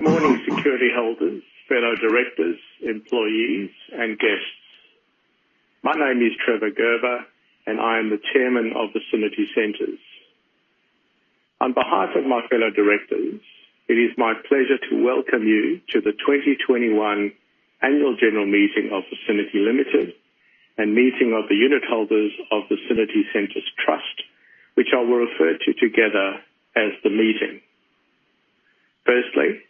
Good morning, security holders, fellow directors, employees, and guests. My name is Trevor Gerber, and I am the Chairman of Vicinity Centres. On behalf of my fellow directors, it is my pleasure to welcome you to the 2021 Annual General Meeting of Vicinity Limited and meeting of the unit holders of Vicinity Centres Trust, which I will refer to together as the meeting. Firstly,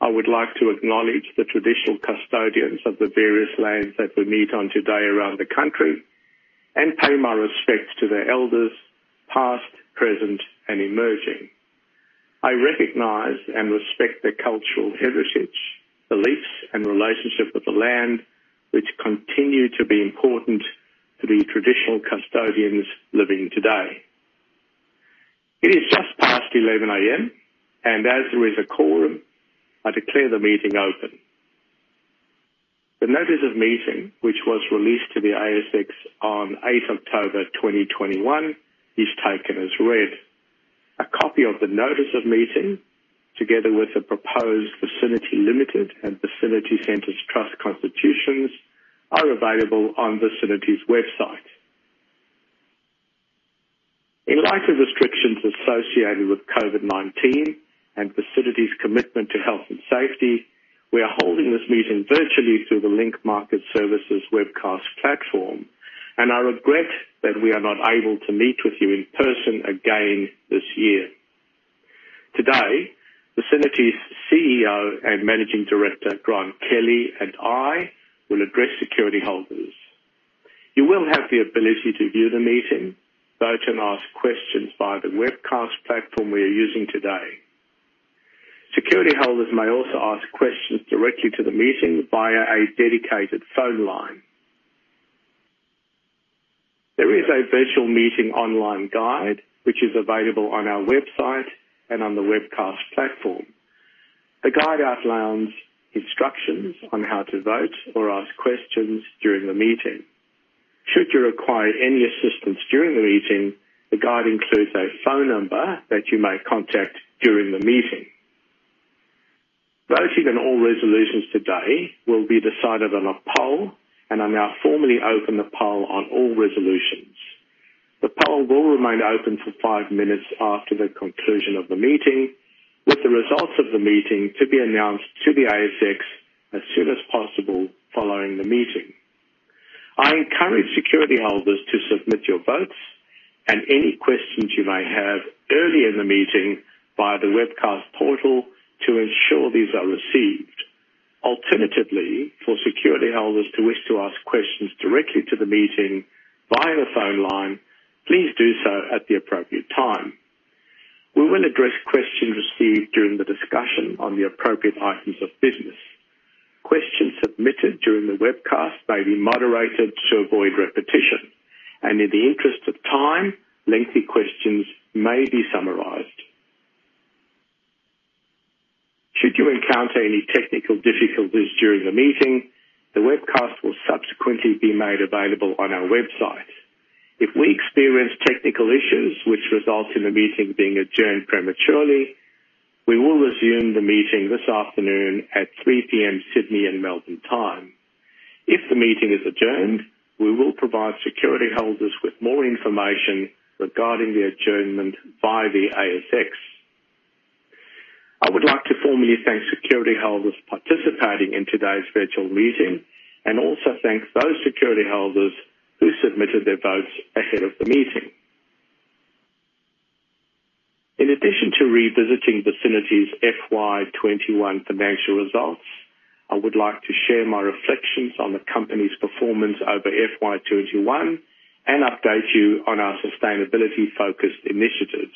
I would like to acknowledge the traditional custodians of the various lands that we meet on today around the country and pay my respects to the elders, past, present, and emerging. I recognize and respect their cultural heritage, beliefs, and relationship with the land, which continue to be important to the traditional custodians living today. It is just past 11 A.M., and as there is a quorum, I declare the meeting open. The notice of meeting, which was released to the ASX on 8 October 2021, is taken as read. A copy of the notice of meeting, together with the proposed Vicinity Limited and Vicinity Centres Trust constitutions are available on Vicinity's website. In light of restrictions associated with COVID-19 and Vicinity's commitment to health and safety, we are holding this meeting virtually through the Link Market Services webcast platform, and I regret that we are not able to meet with you in person again this year. Today, Vicinity's CEO and Managing Director, Grant Kelley, and I will address security holders. You will have the ability to view the meeting, vote, and ask questions via the webcast platform we are using today. Security holders may also ask questions directly to the meeting via a dedicated phone line. There is a virtual meeting online guide which is available on our website and on the webcast platform. The guide outlines instructions on how to vote or ask questions during the meeting. Should you require any assistance during the meeting, the guide includes a phone number that you may contact during the meeting. Voting on all resolutions today will be decided on a poll, and I now formally open the poll on all resolutions. The poll will remain open for five minutes after the conclusion of the meeting, with the results of the meeting to be announced to the ASX as soon as possible following the meeting. I encourage security holders to submit your votes and any questions you may have early in the meeting via the webcast portal to ensure these are received. Alternatively, for security holders who wish to ask questions directly to the meeting via the phone line, please do so at the appropriate time. We will address questions received during the discussion on the appropriate items of business. Questions submitted during the webcast may be moderated to avoid repetition, and in the interest of time, lengthy questions may be summarized. Should you encounter any technical difficulties during the meeting, the webcast will subsequently be made available on our website. If we experience technical issues which result in the meeting being adjourned prematurely, we will resume the meeting this afternoon at 3 P.M. Sydney and Melbourne time. If the meeting is adjourned, we will provide security holders with more information regarding the adjournment via the ASX. I would like to formally thank security holders participating in today's virtual meeting and also thank those security holders who submitted their votes ahead of the meeting. In addition to revisiting Vicinity's FY 2021 financial results, I would like to share my reflections on the company's performance over FY 2021 and update you on our sustainability focused initiatives.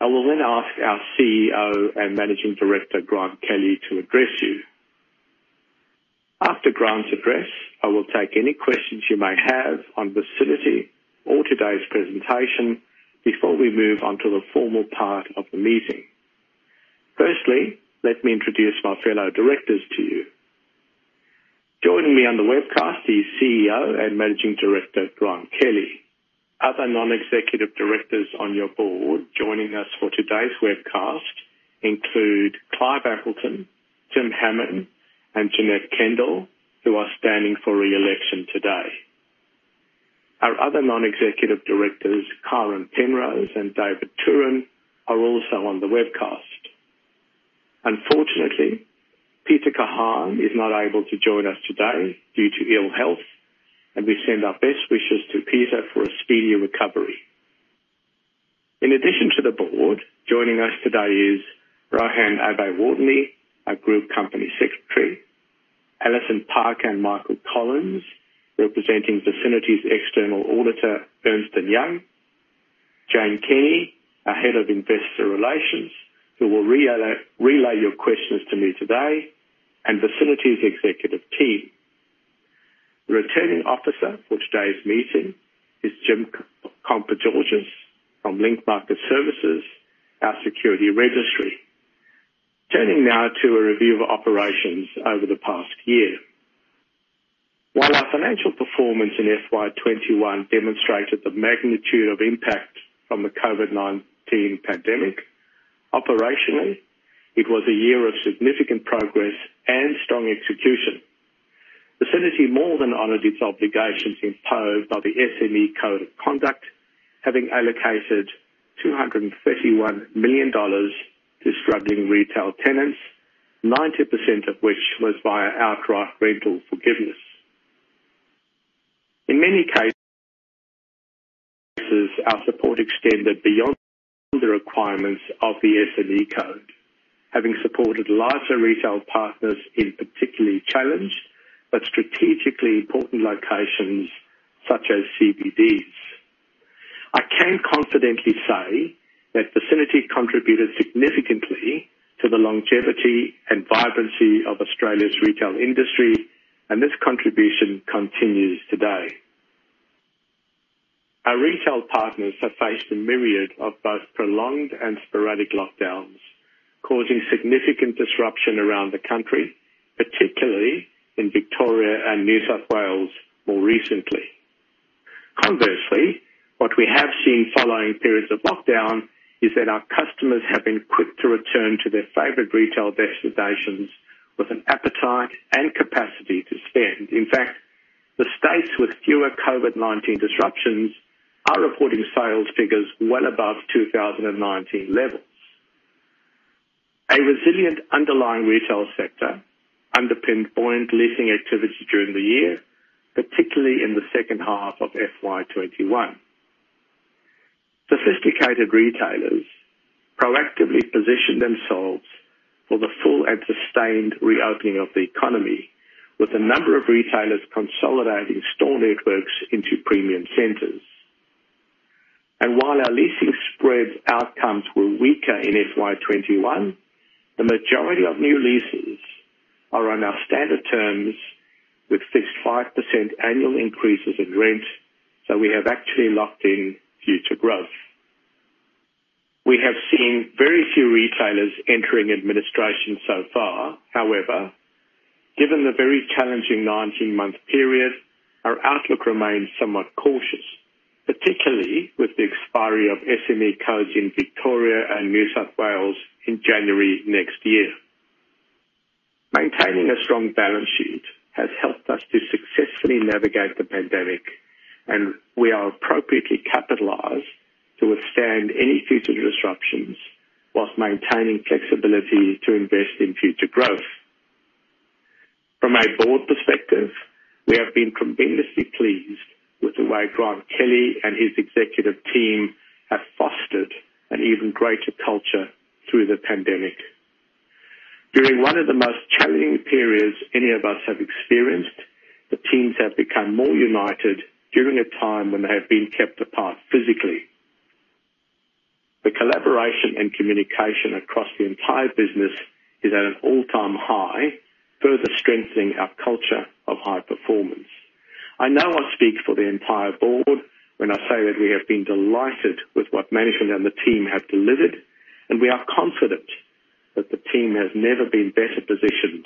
I will then ask our CEO and Managing Director, Grant Kelley, to address you. After Grant's address, I will take any questions you may have on Vicinity or today's presentation before we move on to the formal part of the meeting. Firstly, let me introduce my fellow directors to you. Joining me on the webcast is CEO and Managing Director, Grant Kelley. Other non-executive directors on your board joining us for today's webcast include Clive Appleton, Tim Hammon, and Janette Kendall, who are standing for re-election today. Our other non-executive directors, Karen Penrose and David Thurin, are also on the webcast. Unfortunately, Peter Kahan is not able to join us today due to ill health, and we send our best wishes to Peter for a speedy recovery. In addition to the board, joining us today is Rohan Abeyewardene, our Group Company Secretary. Alison Park and Michael Collins, representing Vicinity's external auditor, Ernst & Young. Jane Kenny, our head of investor relations, who will relay your questions to me today, and Vicinity's executive team. The returning officer for today's meeting is Jim Compagiorgis from Link Market Services, our security registry. Turning now to a review of operations over the past year. While our financial performance in FY 2021 demonstrated the magnitude of impact from the COVID-19 pandemic, operationally, it was a year of significant progress and strong execution. Vicinity more than honored its obligations imposed by the SME Code of Conduct, having allocated 231 million dollars to struggling retail tenants, 90% of which was via outright rental forgiveness. In many cases, our support extended beyond the requirements of the SME Code, having supported larger retail partners in particularly challenged but strategically important locations such as CBDs. I can confidently say that Vicinity contributed significantly to the longevity and vibrancy of Australia's retail industry, and this contribution continues today. Our retail partners have faced a myriad of both prolonged and sporadic lockdowns, causing significant disruption around the country, particularly in Victoria and New South Wales more recently. Conversely, what we have seen following periods of lockdown is that our customers have been quick to return to their favorite retail destinations with an appetite and capacity to spend. In fact, the states with fewer COVID-19 disruptions are reporting sales figures well above 2019 levels. A resilient underlying retail sector underpinned buoyant leasing activity during the year, particularly in the second half of FY 2021. Sophisticated retailers proactively positioned themselves for the full and sustained reopening of the economy, with a number of retailers consolidating store networks into premium centers. While our leasing spread outcomes were weaker in FY 2021, the majority of new leases are on our standard terms with fixed 5% annual increases in rent, so we have actually locked in future growth. We have seen very few retailers entering administration so far. However, given the very challenging 19 month period, our outlook remains somewhat cautious, particularly with the expiry of SME Code in Victoria and New South Wales in January next year. Maintaining a strong balance sheet has helped us to successfully navigate the pandemic, and we are appropriately capitalized to withstand any future disruptions while maintaining flexibility to invest in future growth. From a board perspective, we have been tremendously pleased with the way Grant Kelley and his executive team have fostered an even greater culture through the pandemic. During one of the most challenging periods any of us have experienced, the teams have become more united during a time when they have been kept apart physically. The collaboration and communication across the entire business is at an all-time high, further strengthening our culture of high performance. I know I speak for the entire board when I say that we have been delighted with what management and the team have delivered, and we are confident that the team has never been better positioned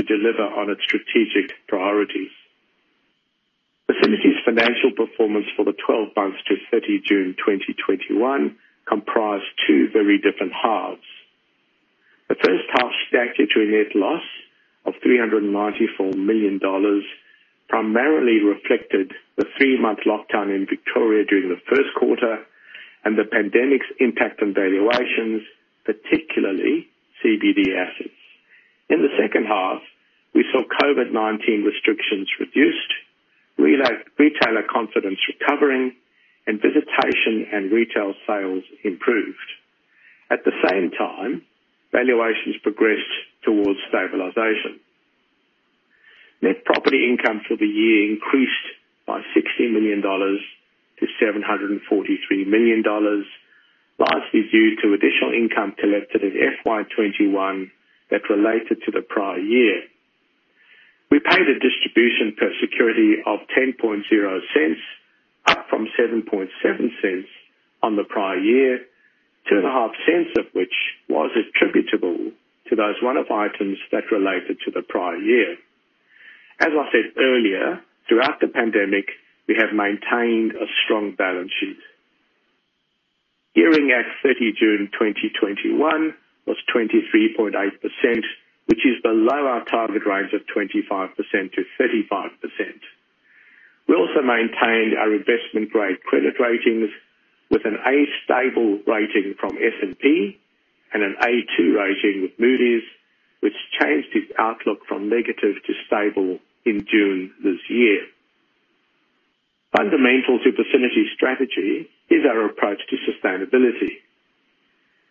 to deliver on its strategic priorities. Vicinity's financial performance for the 12 months to 30 June 2021 comprised two very different halves. The first half resulted in a net loss of 394 million dollars, primarily reflecting the three month lockdown in Victoria during the first quarter and the pandemic's impact on valuations, particularly CBD assets. In the second half, we saw COVID-19 restrictions reduced, retailer confidence recovering, and visitation and retail sales improved. At the same time, valuations progressed towards stabilization. Net property income for the year increased by 60 million dollars to 743 million dollars, largely due to additional income collected in FY 2021 that related to the prior year. We paid a distribution per security of 0.10, up from 0.077 on the prior year, 0.025 of which was attributable to those one-off items that related to the prior year. As I said earlier, throughout the pandemic, we have maintained a strong balance sheet. Gearing at 30 June 2021 was 23.8%, which is below our target range of 25%-35%. We also maintained our investment-grade credit ratings with an A stable rating from S&P and an A2 rating with Moody's, which changed its outlook from negative to stable in June this year. Fundamental to Vicinity's strategy is our approach to sustainability.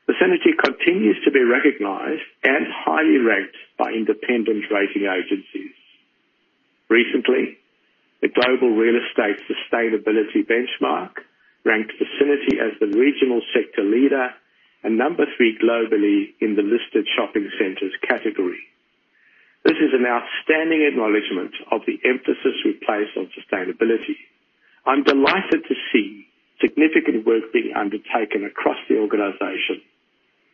Vicinity continues to be recognized and highly ranked by independent rating agencies. Recently, the Global Real Estate Sustainability Benchmark ranked Vicinity as the regional sector leader and number three globally in the listed shopping centers category. This is an outstanding acknowledgment of the emphasis we place on sustainability. I'm delighted to see significant work being undertaken across the organization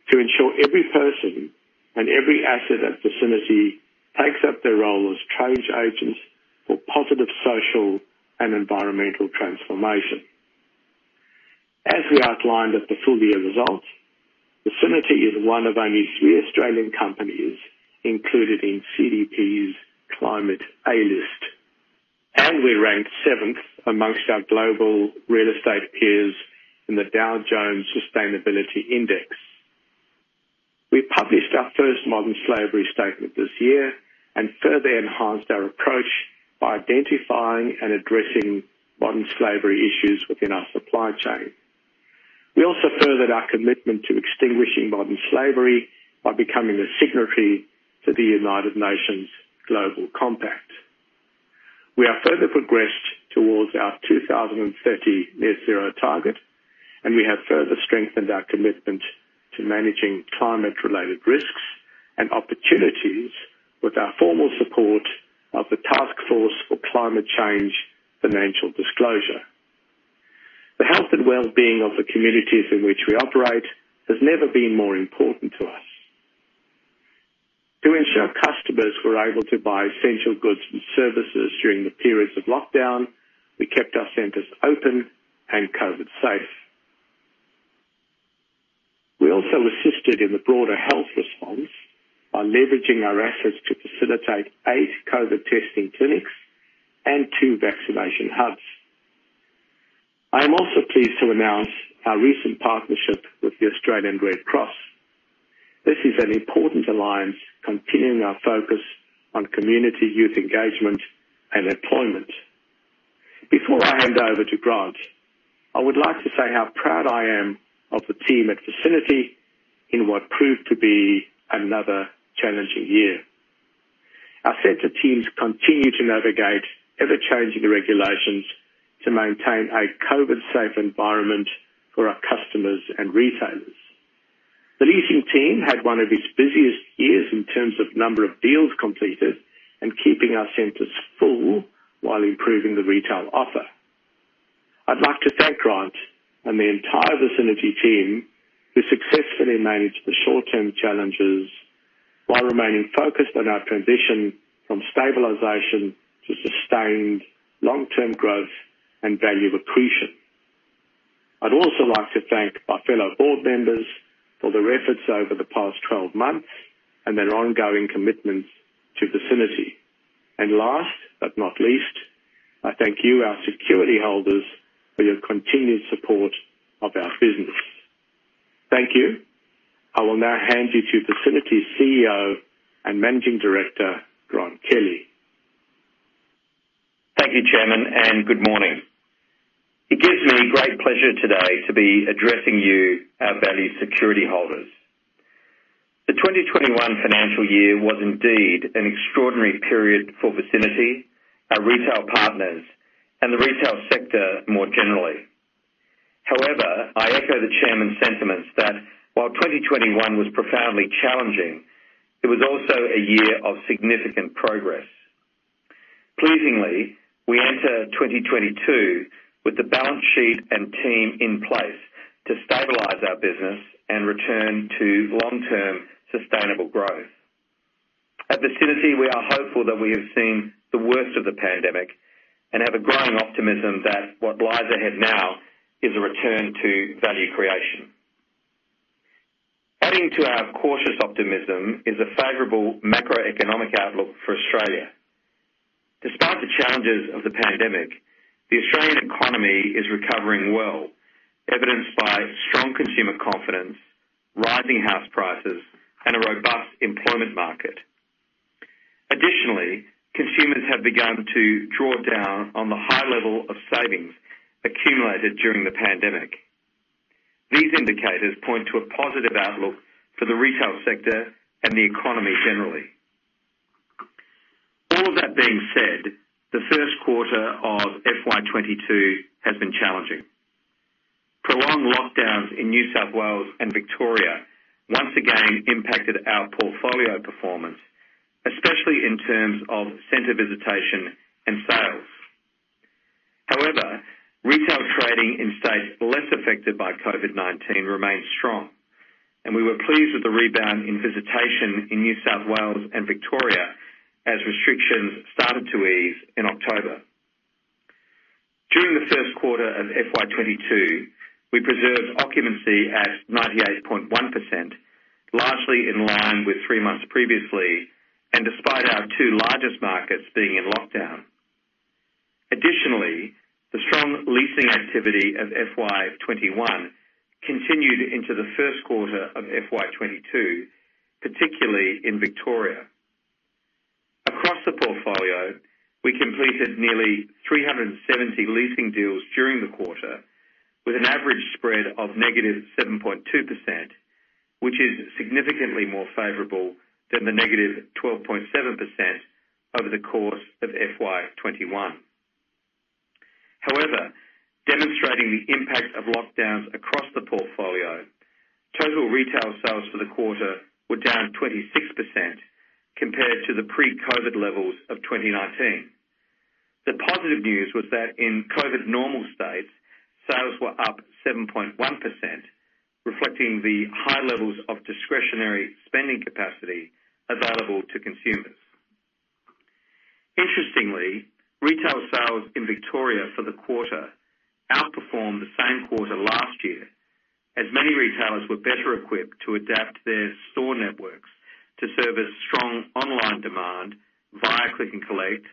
to ensure every person and every asset at Vicinity takes up their role as change agents for positive social and environmental transformation. As we outlined at the full-year results, Vicinity is one of only three Australian companies included in CDP's Climate A List, and we ranked seventh amongst our global real estate peers in the Dow Jones Sustainability Index. We published our first modern slavery statement this year and further enhanced our approach by identifying and addressing modern slavery issues within our supply chain. We also furthered our commitment to extinguishing modern slavery by becoming a signatory to the United Nations Global Compact. We have further progressed towards our 2030 net zero target, and we have further strengthened our commitment to managing climate-related risks and opportunities with our formal support of the Task Force on Climate-related Financial Disclosures. The health and well-being of the communities in which we operate has never been more important to us. To ensure customers were able to buy essential goods and services during the periods of lockdown, we kept our centers open and COVID safe. We also assisted in the broader health response by leveraging our assets to facilitate eight COVID testing clinics and two vaccination hubs. I am also pleased to announce our recent partnership with the Australian Red Cross. This is an important alliance continuing our focus on community youth engagement and employment. Before I hand over to Grant, I would like to say how proud I am of the team at Vicinity in what proved to be another challenging year. Our center teams continue to navigate ever-changing regulations to maintain a COVID safe environment for our customers and retailers. The leasing team had one of its busiest years in terms of number of deals completed and keeping our centers full while improving the retail offer. I'd like to thank Grant and the entire Vicinity team who successfully managed the short-term challenges while remaining focused on our transition from stabilization to sustained long-term growth and value accretion. I'd also like to thank my fellow board members for their efforts over the past twelve months and their ongoing commitments to Vicinity. Last but not least, I thank you, our security holders, for your continued support of our business. Thank you. I will now hand you to Vicinity's CEO and Managing Director, Grant Kelley. Thank you, Chairman, and good morning. It gives me great pleasure today to be addressing you, our valued security holders. The 2021 financial year was indeed an extraordinary period for Vicinity, our retail partners, and the retail sector more generally. However, I echo the Chairman's sentiments that while 2021 was profoundly challenging, it was also a year of significant progress. Pleasingly, we enter 2022 with the balance sheet and team in place to stabilize our business and return to long-term sustainable growth. At Vicinity, we are hopeful that we have seen the worst of the pandemic and have a growing optimism that what lies ahead now is a return to value creation. Adding to our cautious optimism is a favorable macroeconomic outlook for Australia. Despite the challenges of the pandemic, the Australian economy is recovering well, evidenced by strong consumer confidence, rising house prices, and a robust employment market. Additionally, consumers have begun to draw down on the high level of savings accumulated during the pandemic. These indicators point to a positive outlook for the retail sector and the economy generally. All of that being said, the first quarter of FY 2022 has been challenging. Prolonged lockdowns in New South Wales and Victoria once again impacted our portfolio performance, especially in terms of center visitation and sales. However, retail trading in states less affected by COVID-19 remains strong, and we were pleased with the rebound in visitation in New South Wales and Victoria as restrictions started to ease in October. During the first quarter of FY 2022, we preserved occupancy at 98.1%, largely in line with three months previously, and despite our two largest markets being in lockdown. Additionally, the strong leasing activity of FY 2021 continued into the first quarter of FY 2022, particularly in Victoria. Across the portfolio, we completed nearly 370 leasing deals during the quarter with an average spread of -7.2%, which is significantly more favorable than the -12.7% over the course of FY 2021. However, demonstrating the impact of lockdowns across the portfolio, total retail sales for the quarter were down 26% compared to the pre-COVID levels of 2019. The positive news was that in COVID normal states, sales were up 7.1%, reflecting the high levels of discretionary spending capacity available to consumers. Interestingly, retail sales in Victoria for the quarter outperformed the same quarter last year, as many retailers were better equipped to adapt their store networks to service strong online demand via click and collect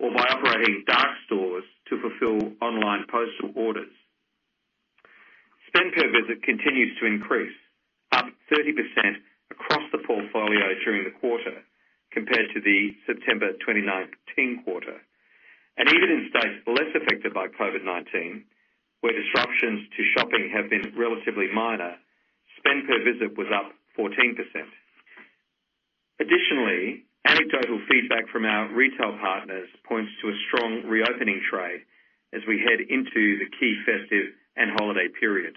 or by operating dark stores to fulfill online postal orders. Spend per visit continues to increase, up 30% across the portfolio during the quarter compared to the September 2019 quarter. Even in states less affected by COVID-19, where disruptions to shopping have been relatively minor, spend per visit was up 14%. Additionally, anecdotal feedback from our retail partners points to a strong reopening trade as we head into the key festive and holiday period.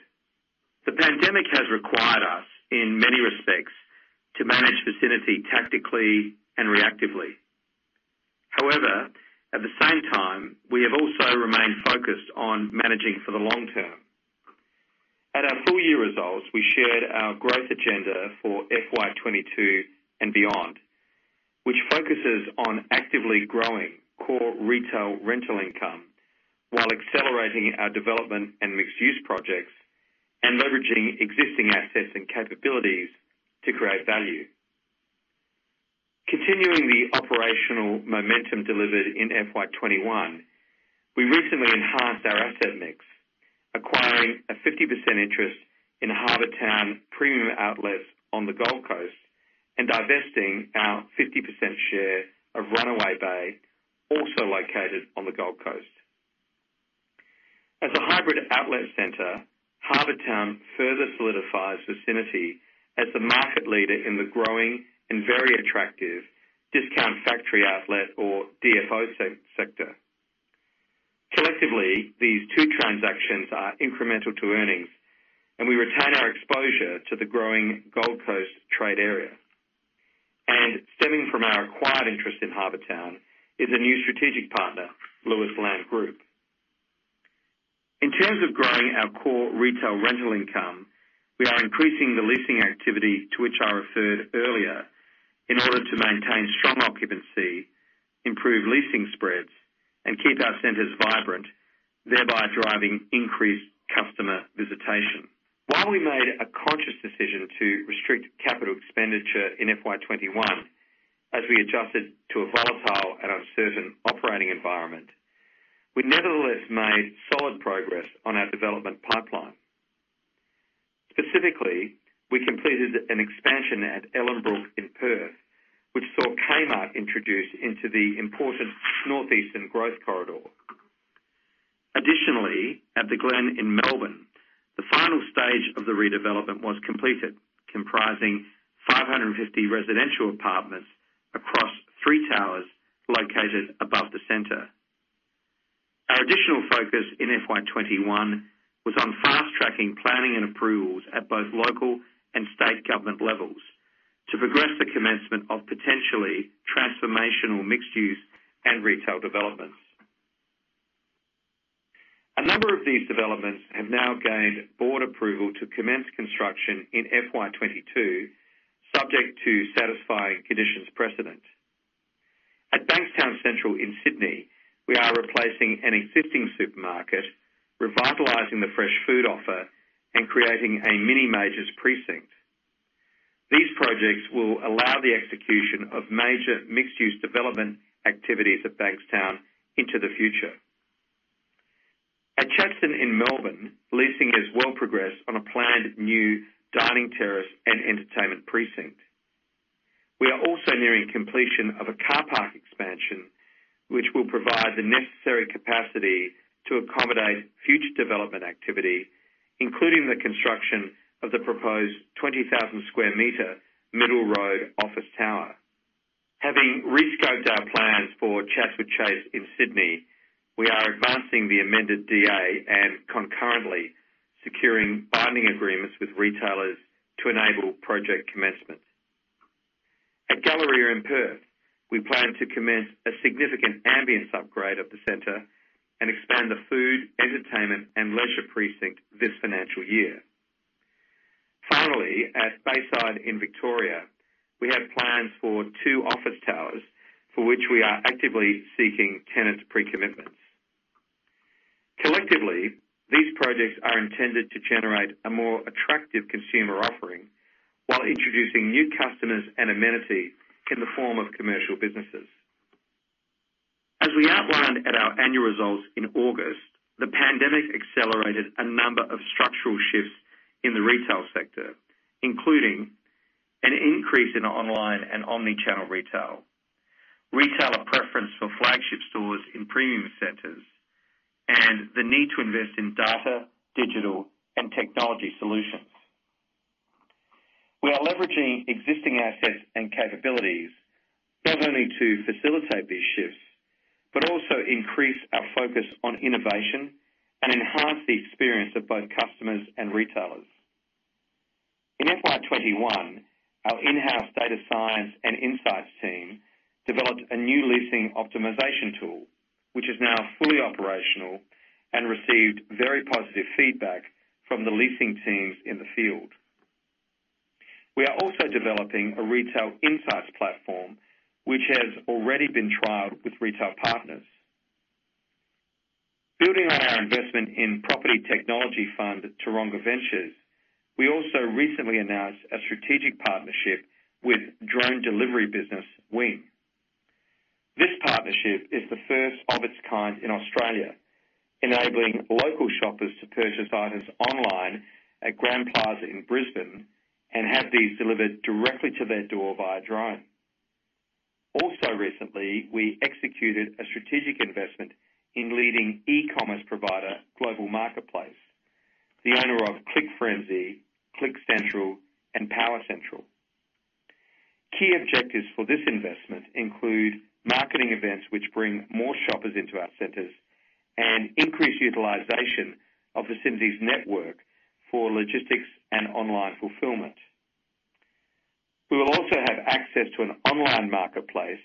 The pandemic has required us, in many respects, to manage Vicinity tactically and reactively. However, at the same time, we have also remained focused on managing for the long term. At our full-year results, we shared our growth agenda for FY 2022 and beyond, which focuses on actively growing core retail rental income while accelerating our development and mixed-use projects and leveraging existing assets and capabilities to create value. Continuing the operational momentum delivered in FY 2021, we recently enhanced our asset mix, acquiring a 50% interest in Harbour Town Premium Outlets on the Gold Coast and divesting our 50% share of Runaway Bay, also located on the Gold Coast. As a hybrid outlet center, Harbour Town further solidifies Vicinity as the market leader in the growing and very attractive discount factory outlet or DFO sector. Collectively, these two transactions are incremental to earnings, and we retain our exposure to the growing Gold Coast trade area. Stemming from our acquired interest in Harbour Town is a new strategic partner, Lewis Land Group. In terms of growing our core retail rental income, we are increasing the leasing activity to which I referred earlier in order to maintain strong occupancy, improve leasing spreads, and keep our centers vibrant, thereby driving increased customer visitation. While we made a conscious decision to restrict capital expenditure in FY 2021 as we adjusted to a volatile and uncertain operating environment, we nevertheless made solid progress on our development pipeline. Specifically, we completed an expansion at Ellenbrook in Perth which saw Kmart introduced into the important northeastern growth corridor. Additionally, at The Glen in Melbourne, the final stage of the redevelopment was completed, comprising 550 residential apartments across three towers located above the center. Our additional focus in FY 2021 was on fast-tracking planning and approvals at both local and state government levels to progress the commencement of potentially transformational mixed use and retail developments. A number of these developments have now gained board approval to commence construction in FY 2022, subject to satisfying conditions precedent. At Bankstown Central in Sydney, we are replacing an existing supermarket, revitalizing the fresh food offer, and creating a mini majors precinct. These projects will allow the execution of major mixed-use development activities at Bankstown into the future. At Chadstone in Melbourne, leasing is well progressed on a planned new dining terrace and entertainment precinct. We are also nearing completion of a car park expansion, which will provide the necessary capacity to accommodate future development activity, including the construction of the proposed 20,000 square meter Middle Road office tower. Having rescoped our plans for Chatswood Chase in Sydney, we are advancing the amended DA and concurrently securing binding agreements with retailers to enable project commencement. At Galleria in Perth, we plan to commence a significant ambience upgrade of the center and expand the food, entertainment, and leisure precinct this financial year. Finally, at Bayside in Victoria, we have plans for two office towers for which we are actively seeking tenants' pre-commitments. Collectively, these projects are intended to generate a more attractive consumer offering while introducing new customers and amenities in the form of commercial businesses. As we outlined at our annual results in August, the pandemic accelerated a number of structural shifts in the retail sector, including an increase in online and omni-channel retail, retailer preference for flagship stores in premium centers, and the need to invest in data, digital, and technology solutions. We are leveraging existing assets and capabilities not only to facilitate these shifts, but also increase our focus on innovation and enhance the experience of both customers and retailers. In FY 2021, our in-house data science and insights team developed a new leasing optimization tool, which is now fully operational and received very positive feedback from the leasing teams in the field. We are also developing a retail insights platform, which has already been trialed with retail partners. Building on our investment in property technology fund, Taronga Ventures, we also recently announced a strategic partnership with drone delivery business, Wing. This partnership is the first of its kind in Australia, enabling local shoppers to purchase items online at Grand Plaza in Brisbane and have these delivered directly to their door via drone. Also recently, we executed a strategic investment in leading e-commerce provider, Global Marketplace, the owner of Click Frenzy, Click Central, and Power Retail. Key objectives for this investment include marketing events which bring more shoppers into our centers and increase utilization of Vicinity's network for logistics and online fulfillment. We will also have access to an online marketplace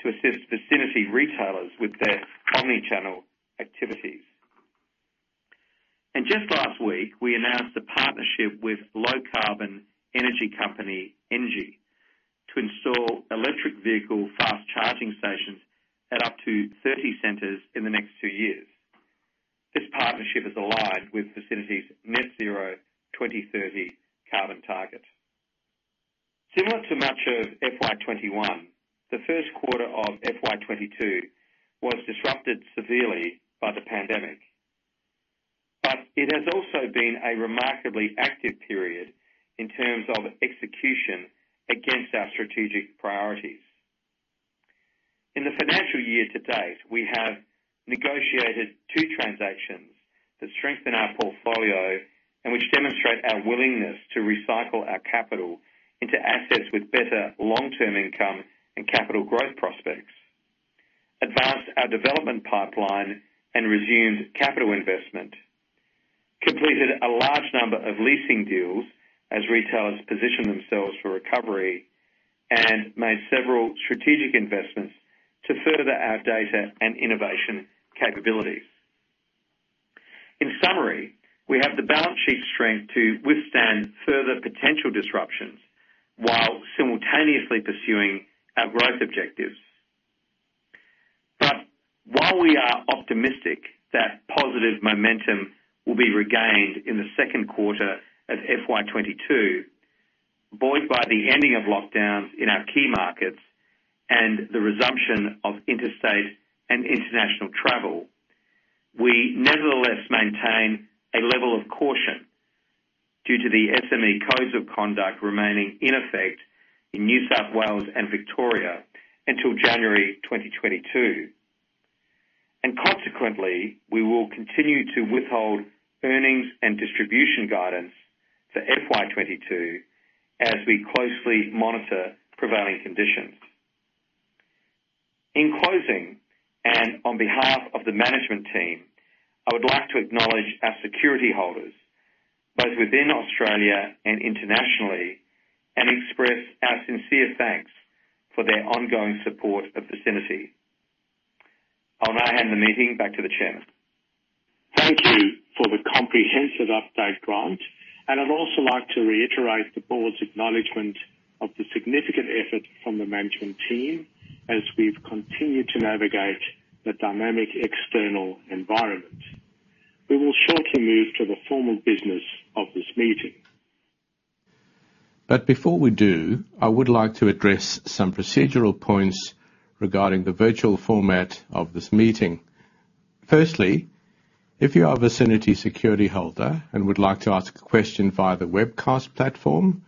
to assist Vicinity retailers with their omni-channel activities. Just last week, we announced a partnership with low carbon energy company, ENGIE, to install electric vehicle fast charging stations at up to 30 centers in the next two years. This partnership is aligned with Vicinity's net zero 2030 carbon target. Similar to much of FY 2021, the first quarter of FY 2022 was disrupted severely by the pandemic, but it has also been a remarkably active period in terms of execution against our strategic priorities. In the financial year-to-date, we have negotiated two transactions that strengthen our portfolio and which demonstrate our willingness to recycle our capital into assets with better long-term income and capital growth prospects, advanced our development pipeline and resumed capital investment, completed a large number of leasing deals as retailers position themselves for recovery, and made several strategic investments to further our data and innovation capabilities. In summary, we have the balance sheet strength to withstand further potential disruptions while simultaneously pursuing our growth objectives. While we are optimistic that positive momentum will be regained in the second quarter of FY 2022, buoyed by the ending of lockdowns in our key markets and the resumption of interstate and international travel, we nevertheless maintain a level of caution due to the SME Code of Conduct remaining in effect in New South Wales and Victoria until January 2022. Consequently, we will continue to withhold earnings and distribution guidance for FY 2022 as we closely monitor prevailing conditions. In closing, and on behalf of the management team, I would like to acknowledge our security holders, both within Australia and internationally, and express our sincere thanks for their ongoing support of Vicinity. I'll now hand the meeting back to the chairman. Thank you for the comprehensive update, Grant, and I'd also like to reiterate the board's acknowledgment of the significant effort from the management team as we've continued to navigate the dynamic external environment. We will shortly move to the formal business of this meeting. Before we do, I would like to address some procedural points regarding the virtual format of this meeting. Firstly, if you are a Vicinity security holder and would like to ask a question via the webcast platform,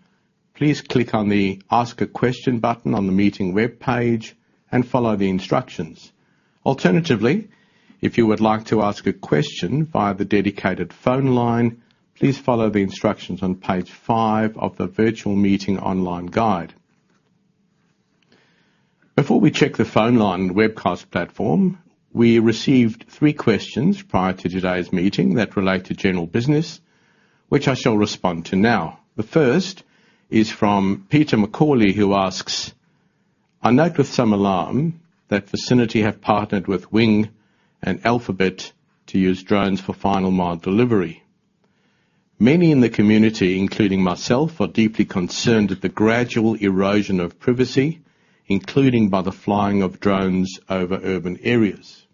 please click on the Ask a Question button on the meeting webpage and follow the instructions. Alternatively, if you would like to ask a question via the dedicated phone line, please follow the instructions on page five of the virtual meeting online guide. Before we check the phone line and webcast platform, we received three questions prior to today's meeting that relate to general business, which I shall respond to now. The first is from Peter McCauley, who asks, "I note with some alarm that Vicinity have partnered with Wing and Alphabet to use drones for final mile delivery. Many in the community, including myself, are deeply concerned at the gradual erosion of privacy, including by the flying of drones over urban areas.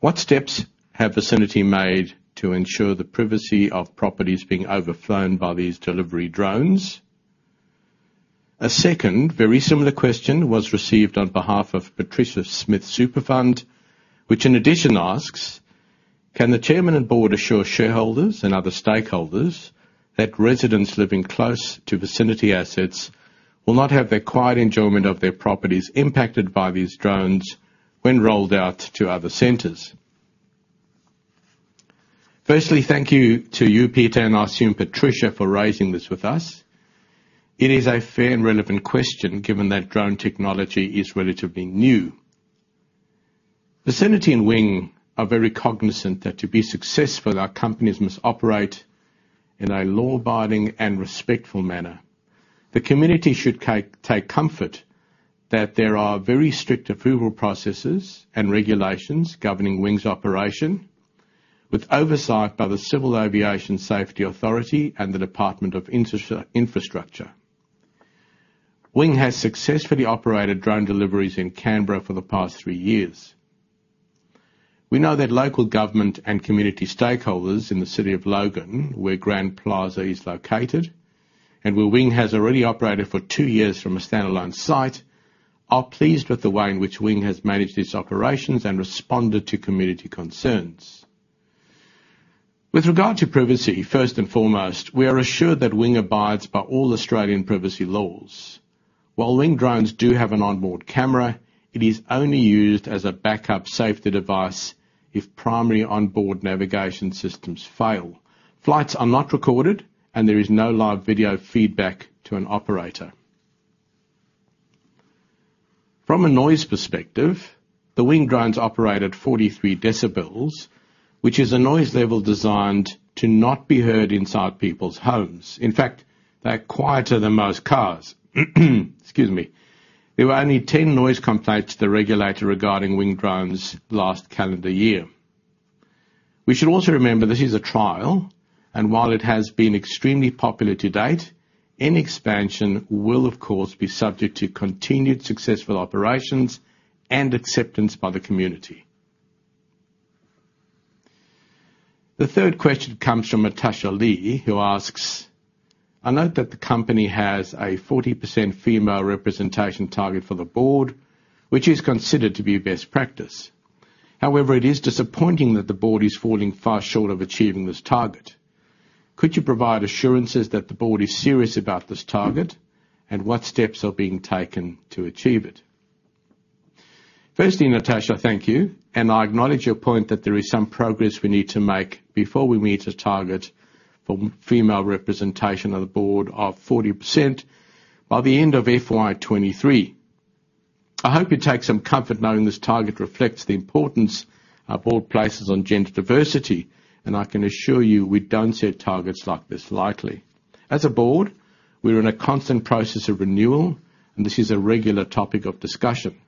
What steps have Vicinity made to ensure the privacy of properties being overflown by these delivery drones?" A second very similar question was received on behalf of Patricia Smith Superannuation Fund, which in addition asks, "Can the chairman and board assure shareholders and other stakeholders that residents living close to Vicinity assets will not have their quiet enjoyment of their properties impacted by these drones when rolled out to other centers?" Firstly, thank you to you, Peter, and I assume Patricia, for raising this with us. It is a fair and relevant question given that drone technology is relatively new. Vicinity and Wing are very cognizant that to be successful, our companies must operate in a law abiding and respectful manner. The community should take comfort that there are very strict approval processes and regulations governing Wing's operation with oversight by the Civil Aviation Safety Authority and the Department of Infrastructure. Wing has successfully operated drone deliveries in Canberra for the past three years. We know that local government and community stakeholders in the City of Logan, where Grand Plaza is located and where Wing has already operated for two years from a standalone site, are pleased with the way in which Wing has managed its operations and responded to community concerns. With regard to privacy, first and foremost, we are assured that Wing abides by all Australian privacy laws. While Wing drones do have an onboard camera, it is only used as a backup safety device if primary onboard navigation systems fail. Flights are not recorded and there is no live video feedback to an operator. From a noise perspective, the Wing drones operate at 43 dB, which is a noise level designed to not be heard inside people's homes. In fact, they're quieter than most cars. Excuse me. There were only 10 noise complaints to the regulator regarding Wing drones last calendar year. We should also remember this is a trial, and while it has been extremely popular to date, any expansion will of course be subject to continued successful operations and acceptance by the community. The third question comes from Natasha Lee, who asks, "I note that the company has a 40% female representation target for the board, which is considered to be best practice. However, it is disappointing that the board is falling far short of achieving this target. Could you provide assurances that the board is serious about this target, and what steps are being taken to achieve it? Firstly, Natasha, thank you, and I acknowledge your point that there is some progress we need to make before we meet the target for female representation of the board of 40% by the end of FY 2023. I hope you take some comfort knowing this target reflects the importance we place on gender diversity, and I can assure you we don't set targets like this lightly. As a board, we're in a constant process of renewal, and this is a regular topic of discussion.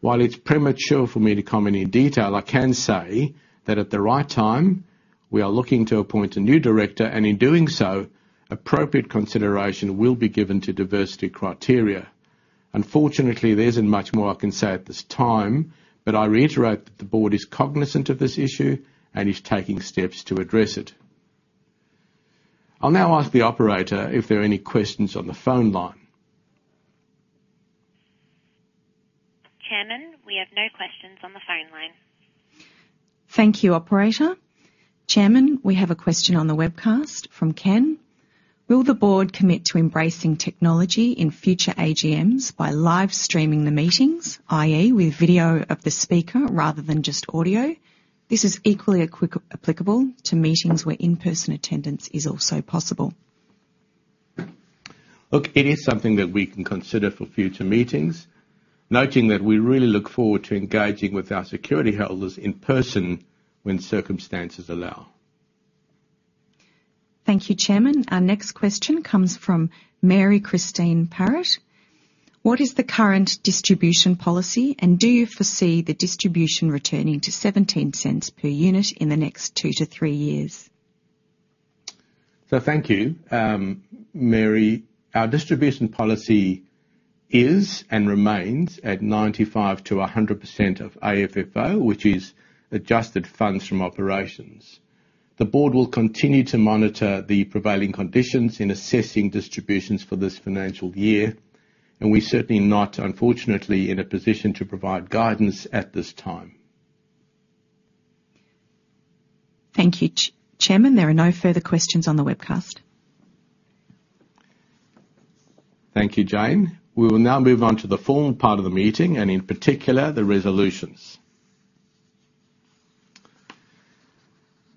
While it's premature for me to comment in detail, I can say that at the right time, we are looking to appoint a new director, and in doing so, appropriate consideration will be given to diversity criteria. Unfortunately, there isn't much more I can say at this time, but I reiterate that the board is cognizant of this issue and is taking steps to address it. I'll now ask the operator if there are any questions on the phone line. Chairman, we have no questions on the phone line. Thank you, operator. Chairman, we have a question on the webcast from Ken: Will the board commit to embracing technology in future AGMs by live streaming the meetings, i.e., with video of the speaker rather than just audio? This is equally applicable to meetings where in-person attendance is also possible. Look, it is something that we can consider for future meetings, noting that we really look forward to engaging with our security holders in person when circumstances allow. Thank you, Chairman. Our next question comes from Mary Christine Parrott: What is the current distribution policy, and do you foresee the distribution returning to 0.17 per unit in the next two to three years? Thank you, Mary. Our distribution policy is and remains at 95%-100% of AFFO, which is adjusted funds from operations. The board will continue to monitor the prevailing conditions in assessing distributions for this financial year, and we're certainly not, unfortunately, in a position to provide guidance at this time. Thank you, Chairman. There are no further questions on the webcast. Thank you, Jane. We will now move on to the formal part of the meeting and in particular, the resolutions.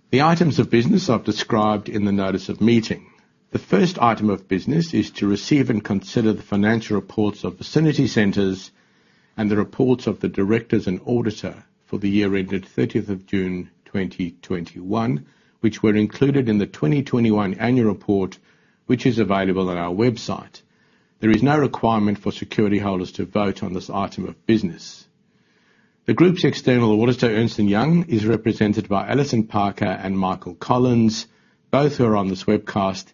The items of business I've described in the notice of meeting. The first item of business is to receive and consider the financial reports of Vicinity Centres and the reports of the directors and auditor for the year ended 30 June 2021, which were included in the 2021 annual report, which is available on our website. There is no requirement for security holders to vote on this item of business. The group's external auditor, Ernst & Young, is represented by Alison Parker and Michael Collins. Both are on this webcast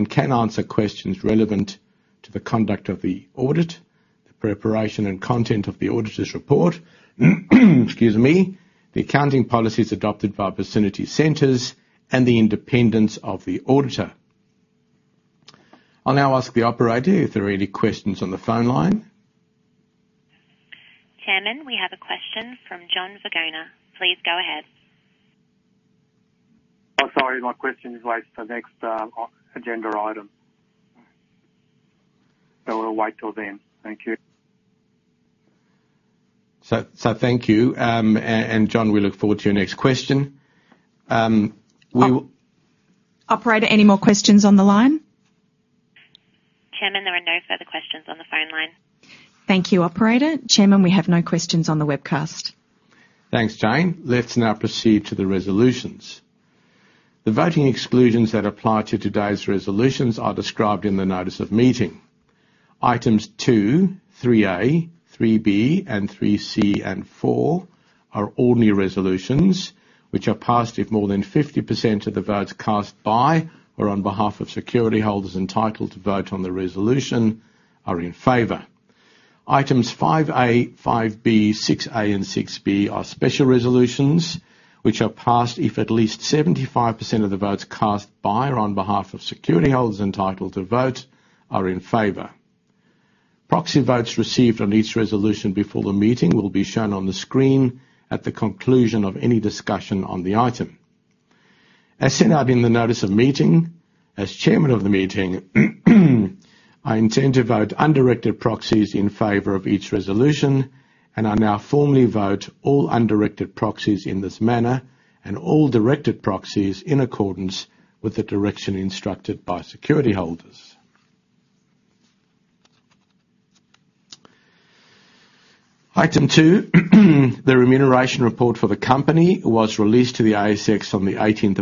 and can answer questions relevant to the conduct of the audit, the preparation and content of the auditor's report, excuse me, the accounting policies adopted by Vicinity Centres and the independence of the auditor. I'll now ask the operator if there are any questions on the phone line. Chairman, we have a question from John Vignona. Please go ahead. Oh, sorry. My question waits for next off-agenda item. We'll wait till then. Thank you. Thank you. John, we look forward to your next question. Operator, any more questions on the line? Chairman, there are no further questions on the phone line. Thank you, operator. Chairman, we have no questions on the webcast. Thanks, Jane. Let's now proceed to the resolutions. The voting exclusions that apply to today's resolutions are described in the notice of meeting. Items 2, 3A, 3B, and 3C and 4 are ordinary resolutions which are passed if more than 50% of the votes cast by or on behalf of security holders entitled to vote on the resolution are in favor. Items 5A, 5B, 6A, and 6B are special resolutions which are passed if at least 75% of the votes cast by or on behalf of security holders entitled to vote are in favor. Proxy votes received on each resolution before the meeting will be shown on the screen at the conclusion of any discussion on the item. As set out in the notice of meeting, as Chairman of the meeting, I intend to vote undirected proxies in favor of each resolution, and I now formally vote all undirected proxies in this manner and all directed proxies in accordance with the direction instructed by security holders. Item 2, the remuneration report for the company was released to the ASX on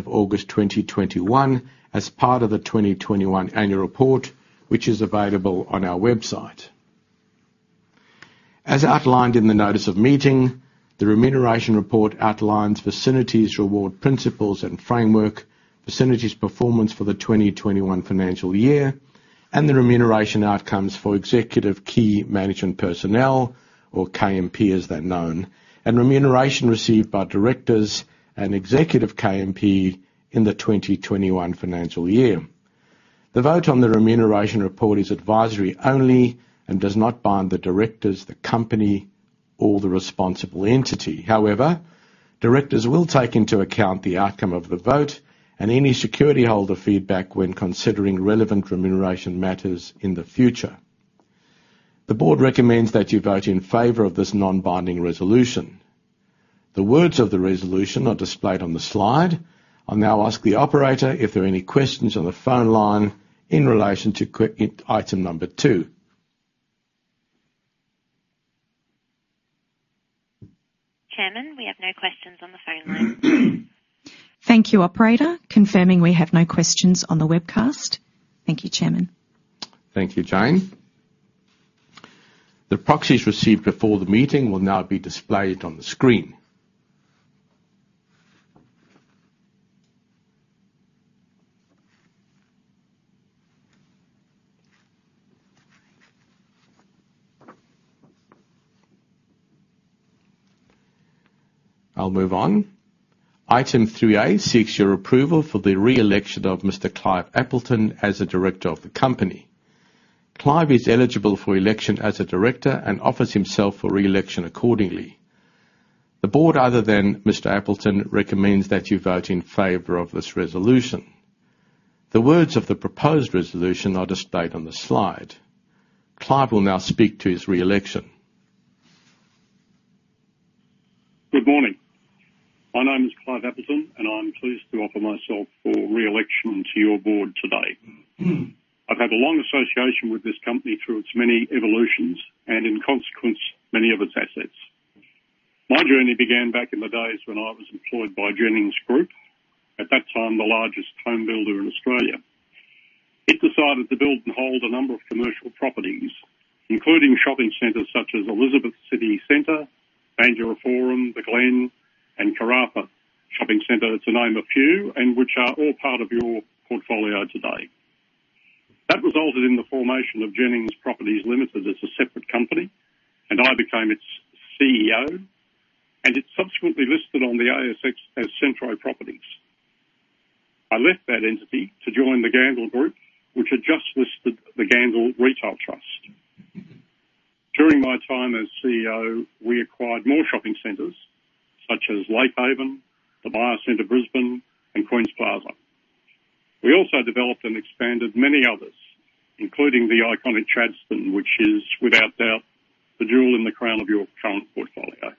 August 18, 2021 as part of the 2021 annual report, which is available on our website. As outlined in the notice of meeting, the remuneration report outlines Vicinity's reward principles and framework, Vicinity's performance for the 2021 financial year, and the remuneration outcomes for executive key management personnel or KMP, as they're known, and remuneration received by directors and executive KMP in the 2021 financial year. The vote on the remuneration report is advisory only and does not bind the directors, the company or the responsible entity. However, directors will take into account the outcome of the vote and any security holder feedback when considering relevant remuneration matters in the future. The board recommends that you vote in favor of this non-binding resolution. The words of the resolution are displayed on the slide. I'll now ask the operator if there are any questions on the phone line in relation to item number two. Chairman, we have no questions on the phone line. Thank you, operator. Confirming we have no questions on the webcast. Thank you, Chairman. Thank you, Jane. The proxies received before the meeting will now be displayed on the screen. I'll move on. Item 3A seeks your approval for the re-election of Mr. Clive Appleton as a director of the company. Clive is eligible for election as a director and offers himself for re-election accordingly. The board, other than Mr. Appleton, recommends that you vote in favor of this resolution. The words of the proposed resolution are displayed on the slide. Clive will now speak to his re-election. Good morning. My name is Clive Appleton, and I'm pleased to offer myself for re-election to your board today. I've had a long association with this company through its many evolutions and in consequence, many of its assets. My journey began back in the days when I was employed by Jennings Group, at that time, the largest home builder in Australia. It decided to build and hold a number of commercial properties, including shopping centers such as Elizabeth City Centre, Mandurah Forum, The Glen, and Karratha City Shopping Centre, to name a few, and which are all part of your portfolio today. That resulted in the formation of Jennings Properties Limited as a separate company, and I became its CEO, and it subsequently listed on the ASX as Centro Properties. I left that entity to join the Gandel Group, which had just listed the Gandel Retail Trust. During my time as CEO, we acquired more shopping centers such as Lake Haven, the Buyer Center, Brisbane and Queens Plaza. We also developed and expanded many others, including the iconic Chadstone, which is without doubt the jewel in the crown of your current portfolio.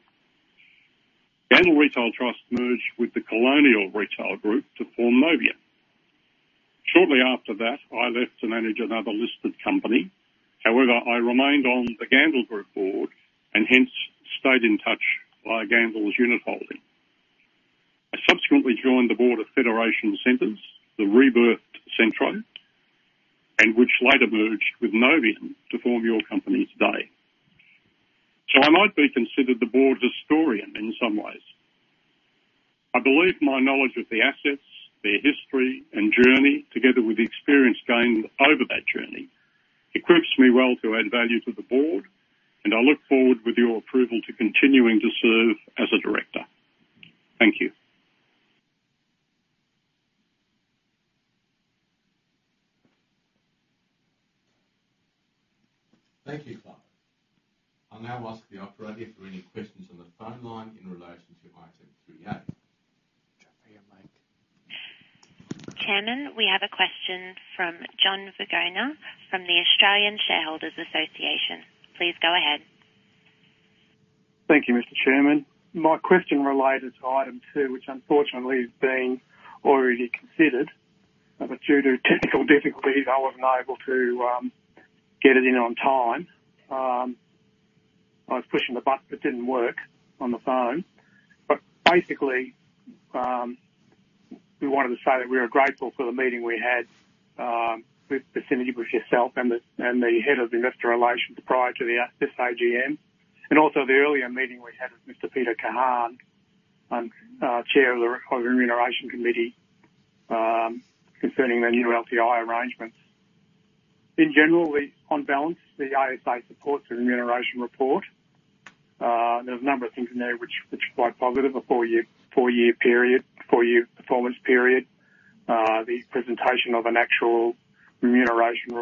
Gandel Retail Trust merged with the Colonial First State Retail Property Trust to form Novion. Shortly after that, I left to manage another listed company. However, I remained on the Gandel Group board and hence stayed in touch via Gandel's unit holding. I subsequently joined the board of Federation Centres, the rebirthed Centro, and which later merged with Novion to form your company today. I might be considered the board's historian in some ways. I believe my knowledge of the assets, their history and journey, together with the experience gained over that journey, equips me well to add value to the board, and I look forward with your approval to continuing to serve as a director. Thank you. Thank you, Clive. I'll now ask the operator for any questions on the phone line in relation to item 3A. Chairman, we have a question from John Vignona from the Australian Shareholders' Association. Please go ahead. Thank you, Mr. Chairman. My question related to item two, which unfortunately has been already considered, but due to technical difficulties, I wasn't able to get it in on time. I was pushing the button, but it didn't work on the phone. Basically, we wanted to say that we are grateful for the meeting we had with Vicinity, with yourself and the head of investor relations prior to this AGM, and also the earlier meeting we had with Mr. Peter Kahan, chair of the Remuneration Committee, concerning the new LTI arrangements. In general, on balance, the ASA supports the remuneration report. There's a number of things in there which are quite positive. A four-year performance period. The presentation of an actual remuneration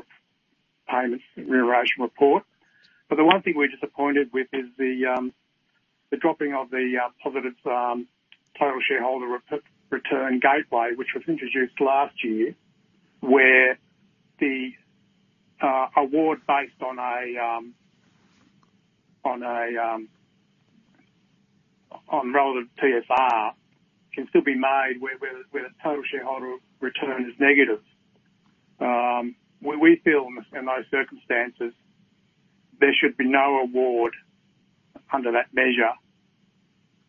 report. The one thing we're disappointed with is the dropping of the positive total shareholder return gateway, which was introduced last year, where the award based on relative TSR can still be made where the total shareholder return is negative. We feel in those circumstances, there should be no award under that measure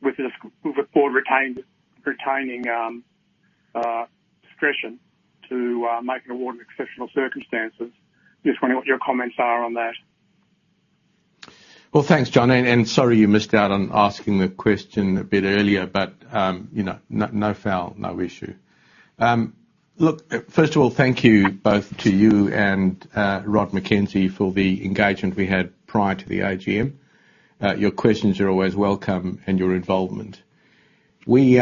with the board retaining discretion to make an award in exceptional circumstances. Just wondering what your comments are on that. Well, thanks, John. Sorry you missed out on asking the question a bit earlier, but you know, no foul, no issue. Look, first of all, thank you both to you and Rod McKenzie for the engagement we had prior to the AGM, your questions are always welcome and your involvement. We